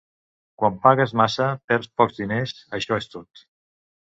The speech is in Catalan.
Quan pagues massa, perds pocs diners; això és tot.